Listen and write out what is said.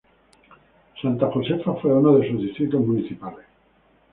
Santa Josefa fue uno de sus distritos municipales.